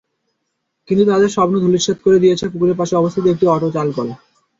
কিন্তু তাঁদের স্বপ্ন ধূলিসাৎ করে দিয়েছে পুকুরের পাশে অবস্থিত একটি অটো-চালকল।